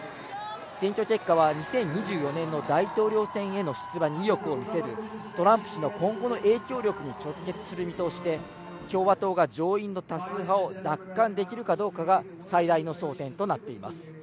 選挙結果は２０２４年の大統領選への出馬に意欲を見せるトランプ氏の今後の影響力に直結する見通しで、共和党が上院の多数派を奪還できるかどうかが最大の争点となっています。